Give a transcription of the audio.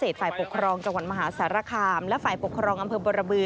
ตำรวจถามว่าก้อไปหยังเหรอแม่